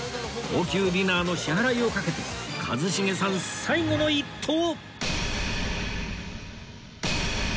高級ディナーの支払いを賭けて一茂さん最後の一投！